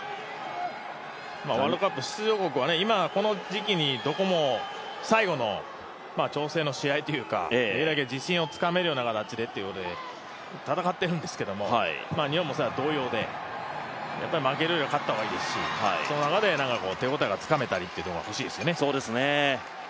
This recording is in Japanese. ワールドカップ出場国は今、この時期にどこも最後の調整の試合というか自信をつかめるような形で戦ってるんですけど、それは日本も同様でやっぱり負けるよりは勝った方がいいですし、その中で手応えがつかめたりっていうのが欲しいですよね。